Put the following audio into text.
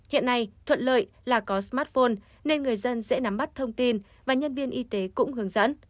hiện nay thuận lợi là có smartphone nên người dân dễ nắm bắt thông tin và nhân viên y tế cũng hướng dẫn